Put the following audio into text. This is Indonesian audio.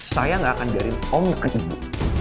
saya gak akan jadi om neket ibu